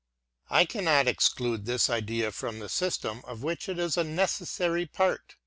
I cannot ex clude this idea from the system of which it is a necessary part.